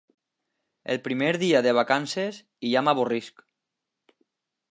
El primer dia de vacances i ja m'avorrisc.